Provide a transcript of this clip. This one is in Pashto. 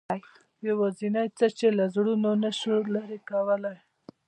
یوازینۍ څه چې له زړونو نه شو لرې کولای.